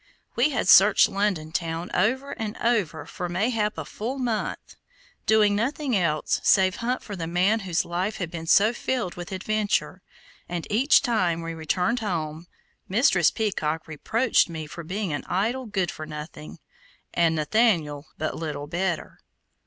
We had searched London town over and over for mayhap a full month, doing nothing else save hunt for the man whose life had been so filled with adventure, and each time we returned home, Mistress Peacock reproached me with being an idle good for nothing, and Nathaniel but little better.